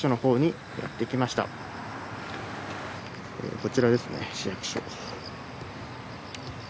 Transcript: こちらですね市役所。